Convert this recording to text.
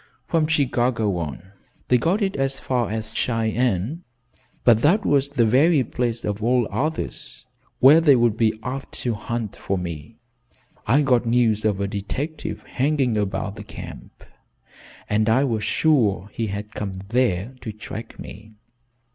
"From Chicago on. They got it as far as Cheyenne, but that was the very place of all others where they would be apt to hunt for me. I got news of a detective hanging about the camp, and I was sure he had come there to track me.